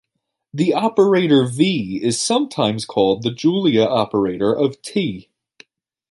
This operator "V" is sometimes called the Julia operator of "T".